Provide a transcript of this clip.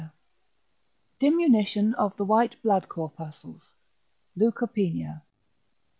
DIMINUTION OF THE WHITE BLOOD CORPUSCLES (LEUKOPENIA).